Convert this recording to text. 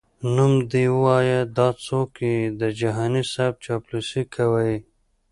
نوم دي وایه دا څوک یې د جهاني صیب چاپلوسي کوي؟🤧🧐